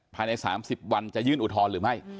ภายใน๓๐วันจะยื่นอุทธรณ์หรือไม่